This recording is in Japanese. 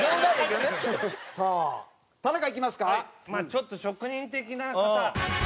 ちょっと職人的な方こちら。